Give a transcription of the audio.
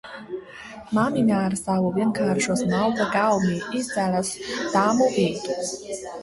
Māmiņa ar savu vienkāršo smalko gaumi izcēlās dāmu vidū.